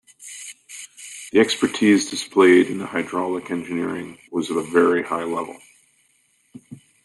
The expertise displayed in the hydraulic engineering was of a very high level.